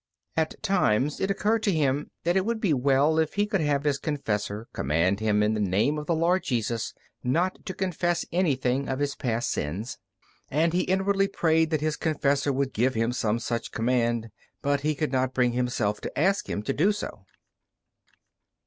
At times it occurred to him that it would be well if he could have his confessor command him in the name of the Lord Jesus not again to confess anything of his past sins; and he inwardly prayed that his confessor would give him some such command, but he could not bring himself to ask him to do so.